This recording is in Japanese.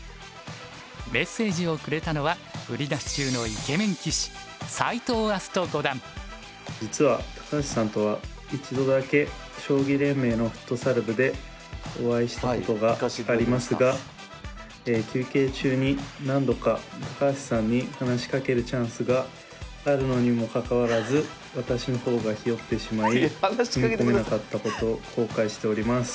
メッセージをくれたのは売り出し中のイケメン棋士実は高橋さんとは一度だけ将棋連盟のフットサル部でお会いしたことがありますが休憩中に何度か高橋さんに話しかけるチャンスがあるのにもかかわらず私の方がひよってしまい踏み込めなかったことを後悔しております。